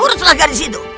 uruslah garis itu